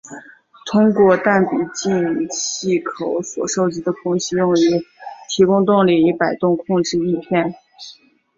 通过弹鼻进气口所收集的空气用于提供动力以摆动控制翼片。